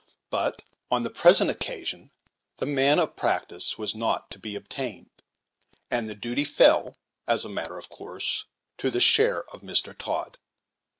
But on the present occasion the man of practice was not to be obtained, and the duty fell, as a matter of course, to the share of Mr. Todd.